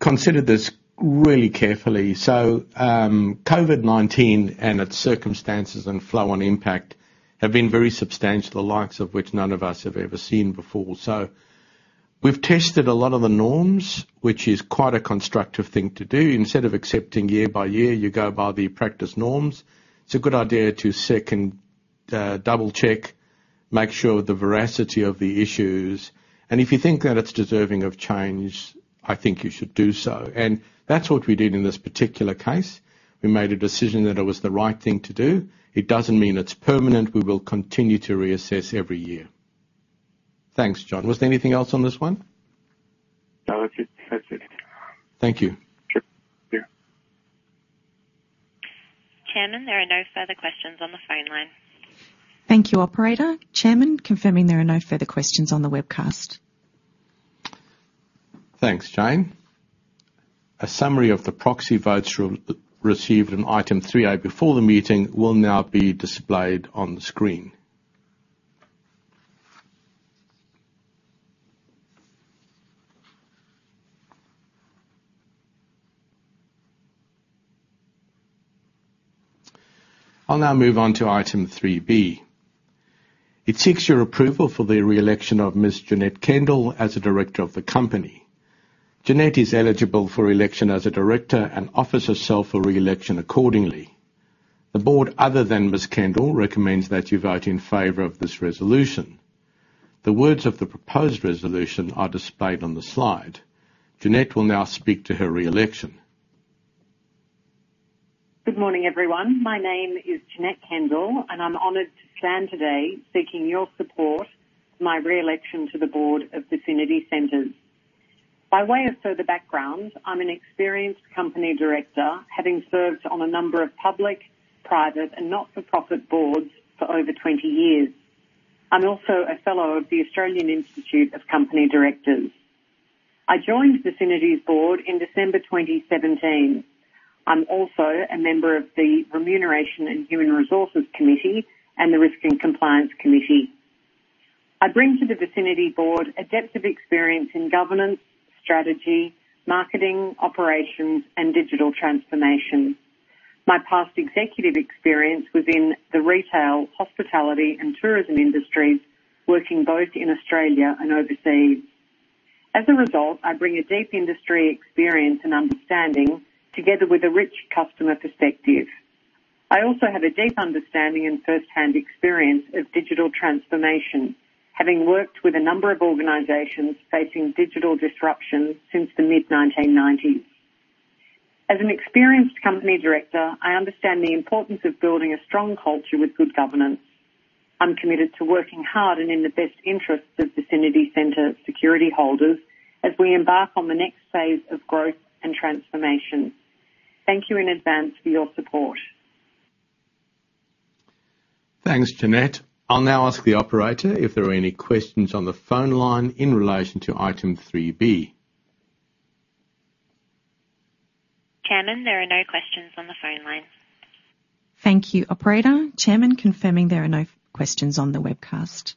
considered this really carefully. COVID-19 and its circumstances and flow on impact have been very substantial, the likes of which none of us have ever seen before. We've tested a lot of the norms, which is quite a constructive thing to do. Instead of accepting year-by-year, you go by the practice norms. It's a good idea to second, double-check, make sure the veracity of the issues. If you think that it's deserving of change, I think you should do so. That's what we did in this particular case. We made a decision that it was the right thing to do. It doesn't mean it's permanent. We will continue to reassess every year. Thanks, John. Was there anything else on this one? No, that's it. That's it. Thank you. Sure. See you. Chairman, there are no further questions on the phone line. Thank you, Operator. Chairman, confirming there are no further questions on the webcast. Thanks, Jane. A summary of the proxy votes received in item 3A before the meeting will now be displayed on the screen. I'll now move on to item 3B. It seeks your approval for the re-election of Ms. Janette Kendall as a director of the company. Janette is eligible for election as a director and offers herself for re-election accordingly. The board, other than Ms. Kendall, recommends that you vote in favor of this resolution. The words of the proposed resolution are displayed on the slide. Janette will now speak to her re-election. Good morning, everyone. My name is Janette Kendall and I'm honored to stand today seeking your support for my re-election to the board of Vicinity Centres. By way of further background, I'm an experienced company director, having served on a number of public, private and not-for-profit boards for over 20 years. I'm also a fellow of the Australian Institute of Company Directors. I joined Vicinity's board in December 2017. I'm also a member of the Remuneration and Human Resources Committee and the Risk and Compliance Committee. I bring to the Vicinity board a depth of experience in governance, strategy, marketing, operations and digital transformation. My past executive experience was in the retail, hospitality and tourism industries, working both in Australia and overseas. As a result, I bring a deep industry experience and understanding together with a rich customer perspective. I also have a deep understanding and firsthand experience of digital transformation, having worked with a number of organizations facing digital disruption since the mid-1990s. As an experienced company director, I understand the importance of building a strong culture with good governance. I'm committed to working hard and in the best interests of Vicinity Centres security holders as we embark on the next phase of growth and transformation. Thank you in advance for your support. Thanks, Janette. I'll now ask the operator if there are any questions on the phone line in relation to item 3B. Chairman, there are no questions on the phone line. Thank you, Operator. Chairman, confirming there are no questions on the webcast.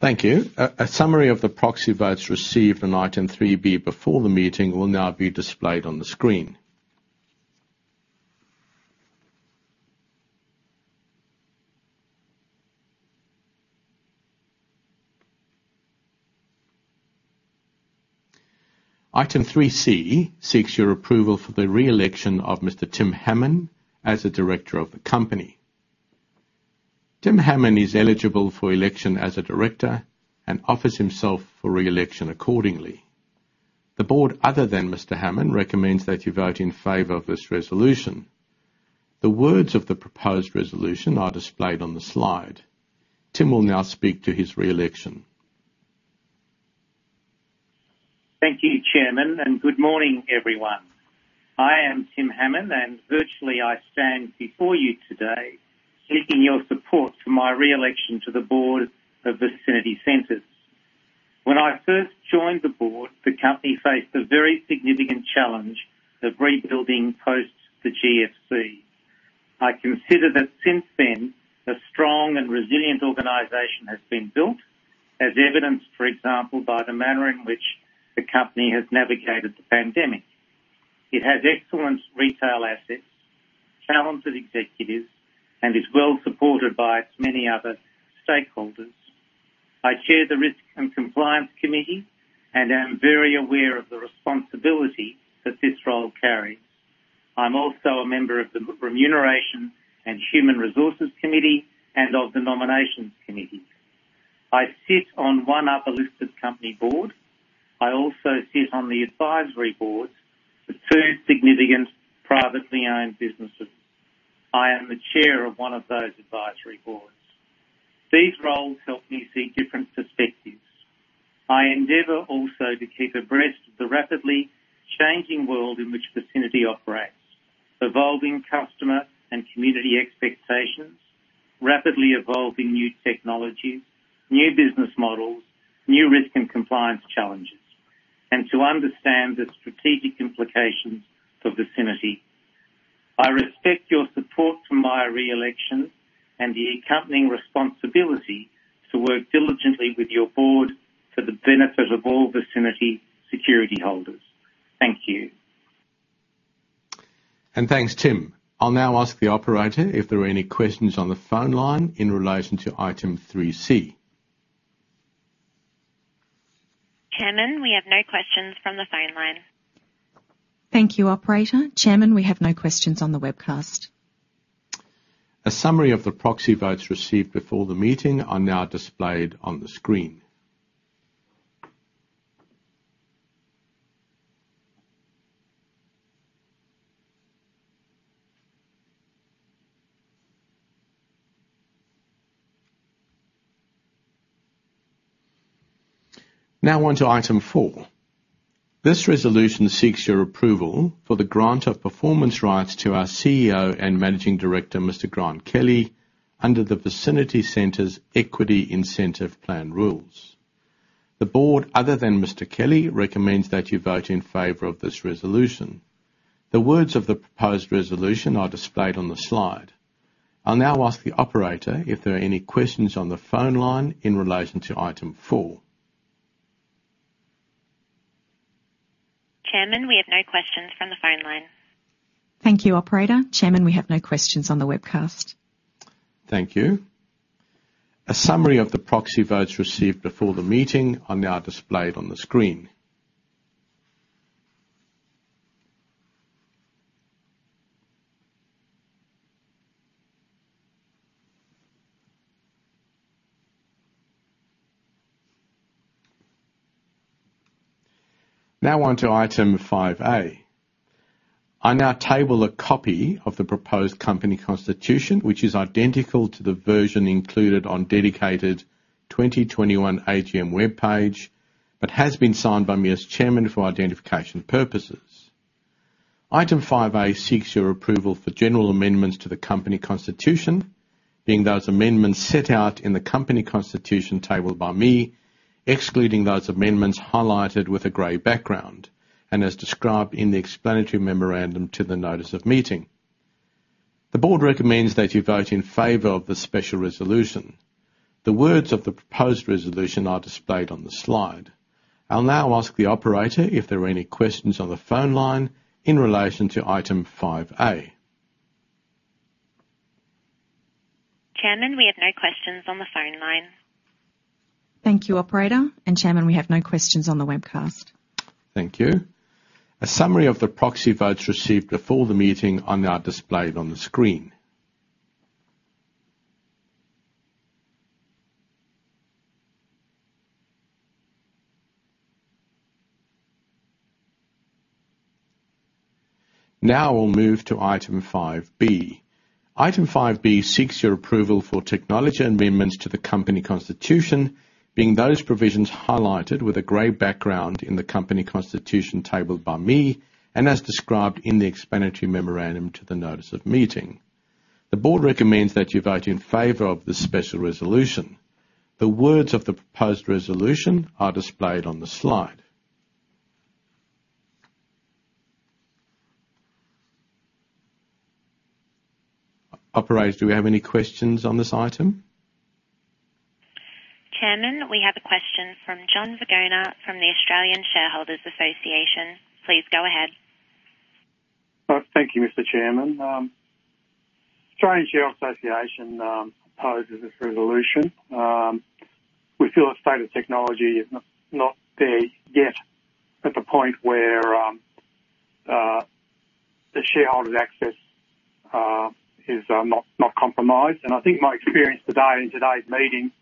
Thank you. A summary of the proxy votes received in item 3B before the meeting will now be displayed on the screen. Item 3C seeks your approval for the re-election of Mr. Tim Hammon as a director of the company. Tim Hammon is eligible for election as a director and offers himself for re-election accordingly. The Board other than Mr. Hammon recommends that you vote in favor of this resolution. The words of the proposed resolution are displayed on the slide. Tim will now speak to his re-election. Thank you, Chairman, and good morning, everyone. I am Tim Hammon, and virtually I stand before you today seeking your support for my re-election to the board of Vicinity Centres. When I first joined the board, the company faced a very significant challenge of rebuilding post the GFC. I consider that since then, a strong and resilient organization has been built, as evidenced, for example, by the manner in which the company has navigated the pandemic. It has excellent retail assets, talented executives, and is well supported by its many other stakeholders. I chair the Risk and Compliance Committee and am very aware of the responsibility that this role carries. I'm also a member of the Remuneration and Human Resources Committee and of the Nominations Committee. I sit on one other listed company board. I also sit on the advisory boards of two significant privately owned businesses. I am the chair of one of those advisory boards. These roles help me see different perspectives. I endeavor also to keep abreast of the rapidly changing world in which Vicinity operates, evolving customer and community expectations, rapidly evolving new technologies, new business models, new risk and compliance challenges, and to understand the strategic implications for Vicinity. I respect your support for my re-election and the accompanying responsibility to work diligently with your board for the benefit of all Vicinity security holders. Thank you. Thanks, Tim. I'll now ask the operator if there are any questions on the phone line in relation to item three C. Chairman, we have no questions from the phone line. Thank you, operator. Chairman, we have no questions on the webcast. A summary of the proxy votes received before the meeting are now displayed on the screen. Now on to item 4. This resolution seeks your approval for the grant of performance rights to our CEO and Managing Director, Mr. Grant Kelley, under the Vicinity Centres Equity Incentive Plan rules. The board, other than Mr. Kelley, recommends that you vote in favor of this resolution. The words of the proposed resolution are displayed on the slide. I'll now ask the operator if there are any questions on the phone line in relation to item 4. Chairman, we have no questions from the phone line. Thank you, operator. Chairman, we have no questions on the webcast. Thank you. A summary of the proxy votes received before the meeting are now displayed on the screen. Now on to item 5A. I now table a copy of the proposed company constitution, which is identical to the version included on dedicated 2021 AGM webpage, but has been signed by me as chairman for identification purposes. Item 5A seeks your approval for general amendments to the company constitution, being those amendments set out in the company constitution tabled by me, excluding those amendments highlighted with a gray background and as described in the explanatory memorandum to the notice of meeting. The board recommends that you vote in favor of the special resolution. The words of the proposed resolution are displayed on the slide. I'll now ask the operator if there are any questions on the phone line in relation to item 5A. Chairman, we have no questions on the phone line. Thank you, operator. Chairman, we have no questions on the webcast. Thank you. A summary of the proxy votes received before the meeting are now displayed on the screen. Now we'll move to item 5B. Item 5B seeks your approval for technology amendments to the company constitution, being those provisions highlighted with a gray background in the company constitution tabled by me and as described in the explanatory memorandum to the notice of meeting. The Board recommends that you vote in favor of the special resolution. The words of the proposed resolution are displayed on the slide. Operator, do we have any questions on this item? Chairman, we have a question from John Vignona from the Australian Shareholders' Association. Please go ahead. Thank you, Mr. Chairman. Australian Shareholders' Association opposes this resolution. We feel the state of technology is not there yet at the point where the shareholders' access is not compromised. I think my experience today in today's meeting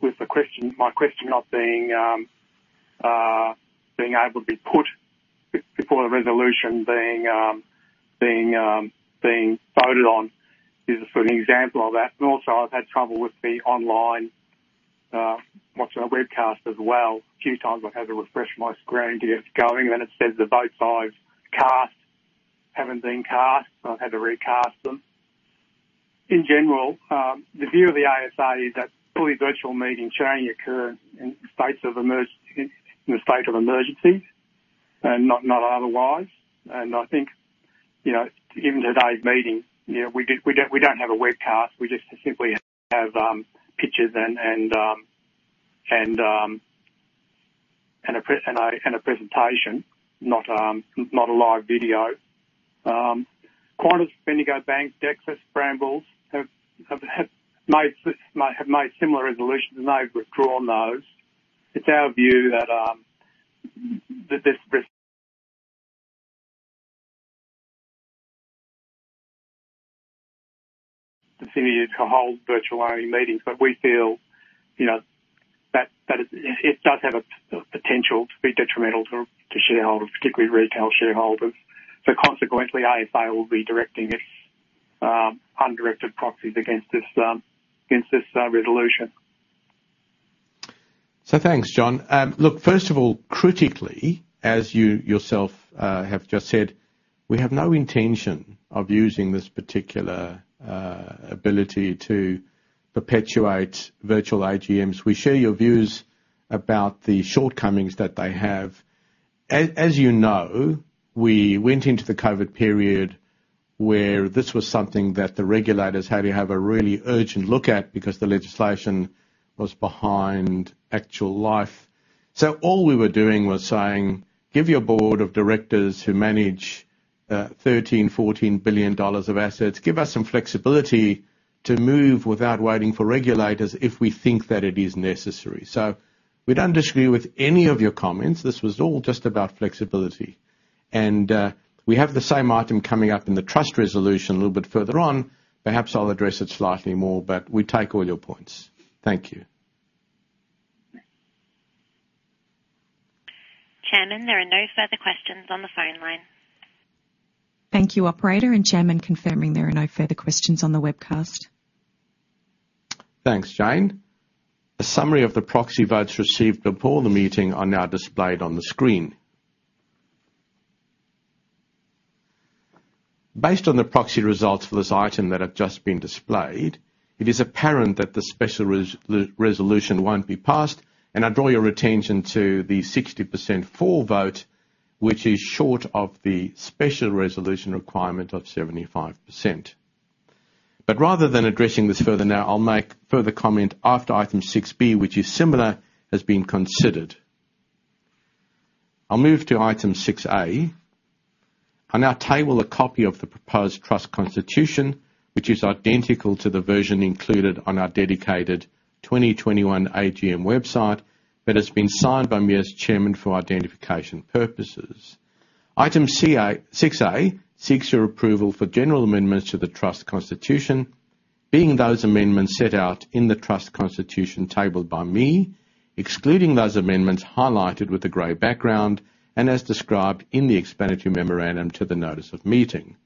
with the question, my question not being able to be put before the resolution being voted on is an example of that. Also I've had trouble with the online watching a webcast as well. A few times I've had to refresh my screen to get it going, and it says the votes I've cast haven't been cast, so I've had to recast them. In general, the view of the ASA is that fully virtual meetings shouldn't occur in states of emergency and not otherwise. I think, you know, even today's meeting, you know, we don't have a webcast. We just simply have pictures and a presentation, not a live video. Qantas, Bendigo Bank, Dexus, Brambles have made similar resolutions, and they've withdrawn those. It's our view that this ability to hold virtual-only meetings, but we feel, you know, that it does have a potential to be detrimental to shareholders, particularly retail shareholders. Consequently, ASA will be directing its undirected proxies against this resolution. Thanks, John. Look, first of all, critically, as you yourself have just said, we have no intention of using this particular ability to perpetuate virtual AGMs. We share your views about the shortcomings that they have. As you know, we went into the COVID period, where this was something that the regulators had to have a really urgent look at because the legislation was behind actual life. All we were doing was saying, "Give your board of directors, who manage 13 billion-14 billion dollars of assets, give us some flexibility to move without waiting for regulators if we think that it is necessary." We don't disagree with any of your comments. This was all just about flexibility. We have the same item coming up in the trust resolution a little bit further on. Perhaps I'll address it slightly more, but we take all your points. Thank you. Chairman, there are no further questions on the phone line. Thank you, operator and chairman. Confirming there are no further questions on the webcast. Thanks, Jane. A summary of the proxy votes received before the meeting are now displayed on the screen. Based on the proxy results for this item that have just been displayed, it is apparent that the special resolution won't be passed, and I draw your attention to the 60% for vote, which is short of the special resolution requirement of 75%. Rather than addressing this further now, I'll make further comment after item 6B, which is similar, has been considered. I'll move to item 6A. I'll now table a copy of the proposed trust constitution, which is identical to the version included on our dedicated 2021 AGM website that has been signed by me as chairman for identification purposes. Item six A seeks your approval for general amendments to the trust constitution, being those amendments set out in the trust constitution tabled by me, excluding those amendments highlighted with the gray background and as described in the explanatory memorandum to the notice of meeting.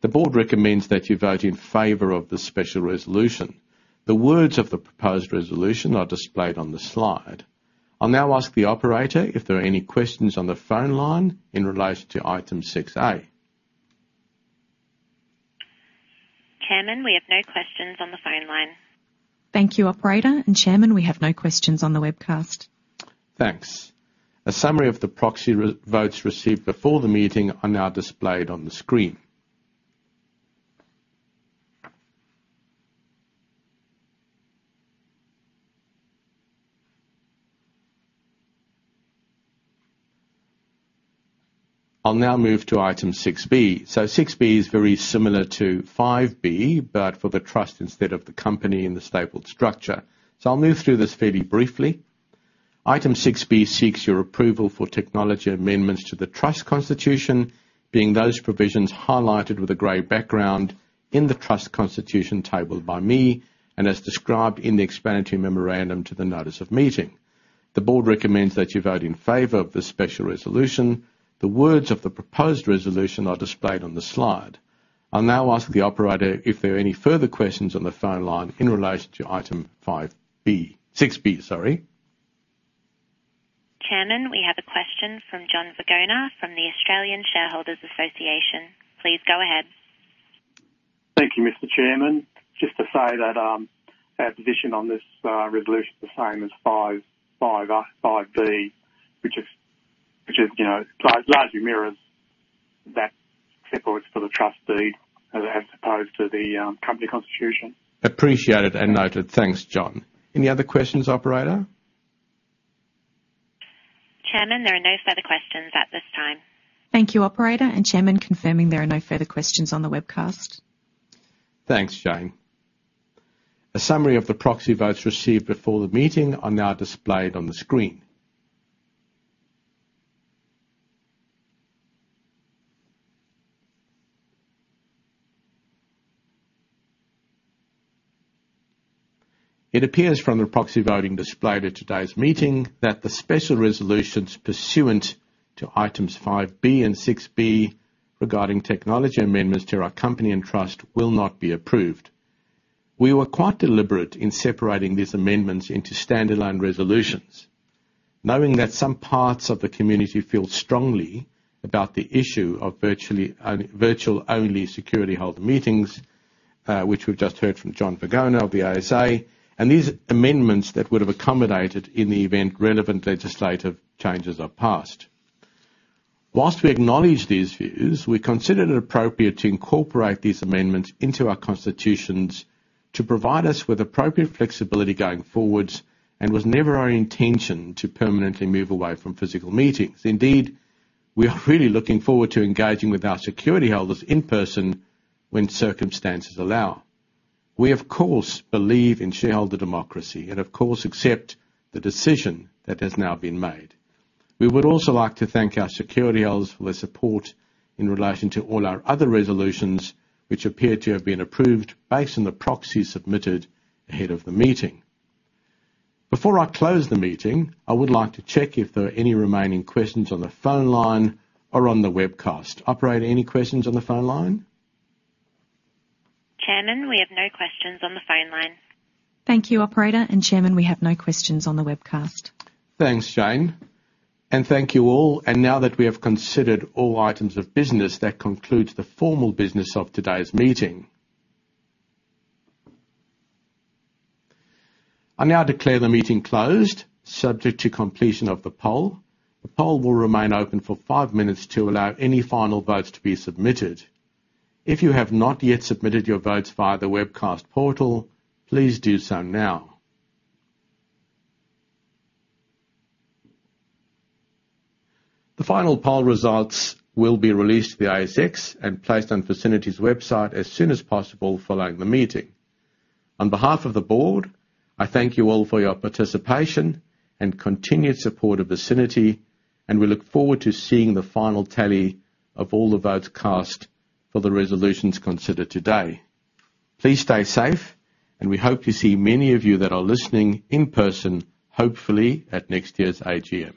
The board recommends that you vote in favor of the special resolution. The words of the proposed resolution are displayed on the slide. I'll now ask the operator if there are any questions on the phone line in relation to item six A. Chairman, we have no questions on the phone line. Thank you, operator and chairman. We have no questions on the webcast. Thanks. A summary of the proxy votes received before the meeting are now displayed on the screen. I'll now move to item 6B. 6B is very similar to 5B, but for the trust instead of the company in the stapled structure. I'll move through this fairly briefly. Item 6B seeks your approval for technical amendments to the trust constitution, being those provisions highlighted with a gray background in the trust constitution tabled by me and as described in the explanatory memorandum to the notice of meeting. The board recommends that you vote in favor of the special resolution. The words of the proposed resolution are displayed on the slide. I'll now ask the operator if there are any further questions on the phone line in relation to item 5B, 6B, sorry. Chairman, we have a question from John Vignona from the Australian Shareholders' Association. Please go ahead. Thank you, Mr. Chairman. Just to say that our position on this resolution is the same as 5B, which is, you know, largely mirrors that except for it's for the trustee as opposed to the company constitution. Appreciated and noted. Thanks, John. Any other questions, operator? Chairman, there are no further questions at this time. Thank you, operator, and Chairman, confirming there are no further questions on the webcast. Thanks, Jane. A summary of the proxy votes received before the meeting are now displayed on the screen. It appears from the proxy voting display at today's meeting that the special resolutions pursuant to items 5B and 6B regarding technology amendments to our company and trust will not be approved. We were quite deliberate in separating these amendments into stand-alone resolutions, knowing that some parts of the community feel strongly about the issue of virtual-only security holder meetings, which we've just heard from John Vignona of the ASA, and these amendments that would have accommodated in the event relevant legislative changes are passed. While we acknowledge these views, we considered it appropriate to incorporate these amendments into our constitutions to provide us with appropriate flexibility going forward, and was never our intention to permanently move away from physical meetings. Indeed, we are really looking forward to engaging with our security holders in-person when circumstances allow. We of course believe in shareholder democracy, and of course accept the decision that has now been made. We would also like to thank our security holders for their support in relation to all our other resolutions, which appear to have been approved based on the proxies submitted ahead of the meeting. Before I close the meeting, I would like to check if there are any remaining questions on the phone line or on the webcast. Operator, any questions on the phone line? Chairman, we have no questions on the phone line. Thank you, operator, and Chairman, we have no questions on the webcast. Thanks, Jane, and thank you all. Now that we have considered all items of business, that concludes the formal business of today's meeting. I now declare the meeting closed subject to completion of the poll. The poll will remain open for five minutes to allow any final votes to be submitted. If you have not yet submitted your votes via the webcast portal, please do so now. The final poll results will be released to the ASX and placed on Vicinity's website as soon as possible following the meeting. On behalf of the board, I thank you all for your participation and continued support of Vicinity, and we look forward to seeing the final tally of all the votes cast for the resolutions considered today. Please stay safe, and we hope to see many of you that are listening in person, hopefully at next year's AGM.